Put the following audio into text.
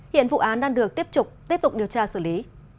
hiện vụ án đang được tiếp tục điều tra xử lý